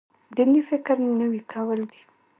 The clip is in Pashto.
دیني فکر نوی کول دی.